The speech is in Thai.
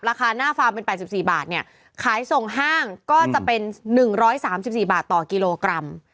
ราคาหน้าฟาร์มเป็น๘๔บาทเนี่ยขายส่งห้างก็จะเป็น๑๓๔บาทต่อกิโลกรัม